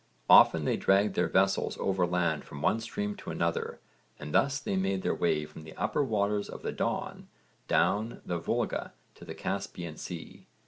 Often they dragged their vessels overland from one stream to another, and thus they made their way from the upper waters of the Don down the Volga to the Caspian Sea.